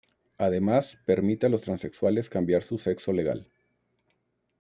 Además permite a los transexuales cambiar su sexo legal.